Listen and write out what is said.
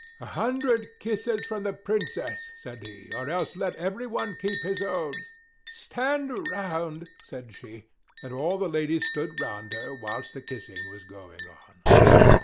"A hundred kisses from the Princess," said he, "or else let everyone keep his own!" "Stand round!" said she; and all the ladies stood round her whilst the kissing was going on.